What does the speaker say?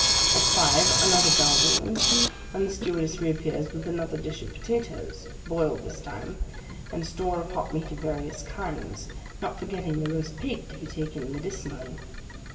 At five, another bell rings, and the stewardess reappears with another dish of potatoes—boiled this time—and store of hot meat of various kinds: not forgetting the roast pig, to be taken medicinally.